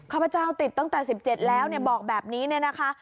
ครับพระเจ้าติดตั้งแต่๑๗แล้วเนี่ยบอกแบบนี้เนี่ยนะคะ